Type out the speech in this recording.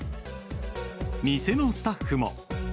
店のスタッフも。